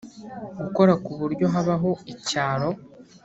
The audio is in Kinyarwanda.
gukora ku buryo habaho icyaro